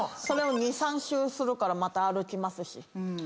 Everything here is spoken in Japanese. それを２３周するからまた歩きますし。